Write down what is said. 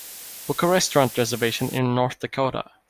Book a restaurant reservation in North Dakota